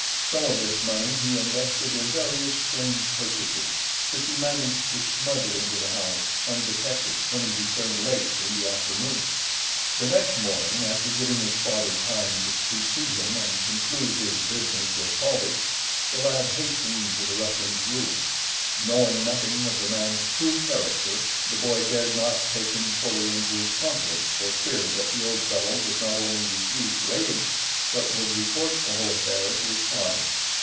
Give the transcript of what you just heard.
Some of this money he invested in various strange purchases which he managed to smuggle into the house, undetected, when he returned late in the afternoon. The next morning, after giving his father time to precede him and conclude his business with Paulvitch, the lad hastened to the Russian's room. Knowing nothing of the man's true character the boy dared not take him fully into his confidence for fear that the old fellow would not only refuse to aid him, but would report the whole affair to his father.